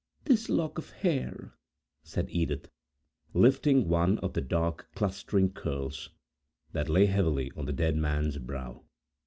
"This lock of hair," said Edith, lifting one of the dark, clustering curls, that lay heavily on the dead man's brow.